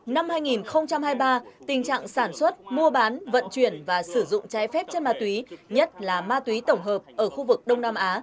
năm hai nghìn hai mươi ba tình trạng sản xuất mua bán vận chuyển và sử dụng trái phép chân ma túy nhất là ma túy tổng hợp ở khu vực đông nam á